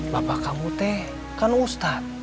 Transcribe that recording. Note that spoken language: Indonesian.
bapak kamu teh kan ustadz